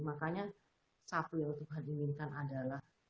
makanya satu yang tuhan inginkan adalah